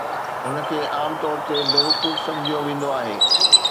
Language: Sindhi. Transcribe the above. هن کي عام طور تي بيوقوف سمجهيو ويندو آهي.